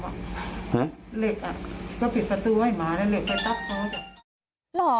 เหล็กก็ปิดประตูให้หมาแล้วเหล็กก็ตั๊บเขา